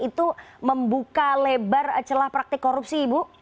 itu membuka lebar celah praktik korupsi ibu